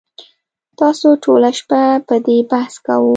تاسو ټوله شپه په دې بحث کاوه